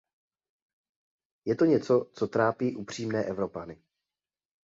Je to něco, co trápí upřímné Evropany.